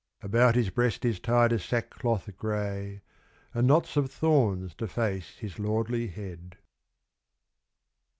_About his breast is tied a sackcloth grey, And knots of thorns deface his lordly head.